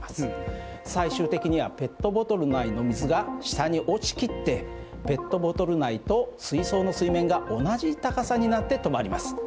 最終的にはペットボトル内の水が下に落ちきってペットボトル内と水槽の水面が同じ高さになって止まります。